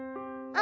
「あ！」